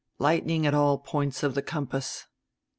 Lightning at all points of the compass."